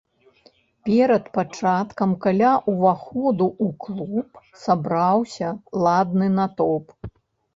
Перад пачаткам каля ўваходу ў клуб сабраўся ладны натоўп.